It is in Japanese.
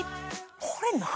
これ何？